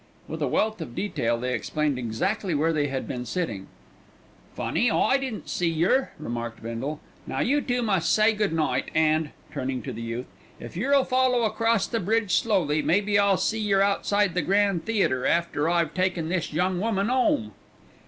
With a wealth of detail they explained exactly where they had been sitting. "Funny I didn't see yer," remarked Bindle. "Now you two must say good night; and," turning to the youth, "if yer'll follow across the bridge slowly, maybe I'll see yer outside the Grand Theatre after I've taken this young woman 'ome."